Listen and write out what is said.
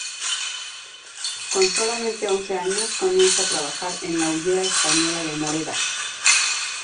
Con solamente once años comienza a trabajar en la Hullera Española de Moreda.